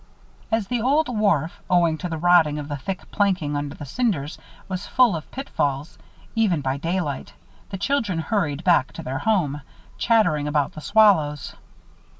As the old wharf, owing to the rotting of the thick planking under the cinders, was full of pitfalls, even by daylight, the children hurried back to their home, chattering about the swallows.